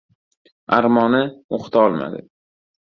Armoni - oʻqita olmadi.